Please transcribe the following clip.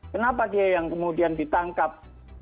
kenapa dia yang kemudian ditangkap